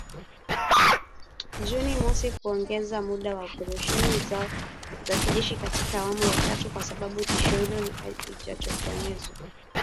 Juni mosi kuongeza muda wa operesheni zao za kijeshi katika awamu ya tatu, kwa sababu tishio hilo halijatokomezwa